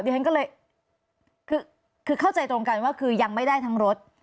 ฉันก็เลยคือเข้าใจตรงกันว่าคือยังไม่ได้ทั้งรถ